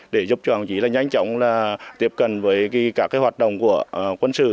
để giúp cho anh chỉ là nhanh chóng là tiếp cận với các hoạt động của quân sự